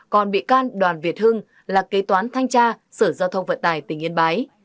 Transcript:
còn bị can đoàn việt hưng là kế toán thanh tra sở giao thông vận tài tỉnh yên bái